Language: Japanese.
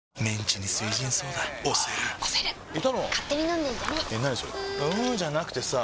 んーじゃなくてさぁ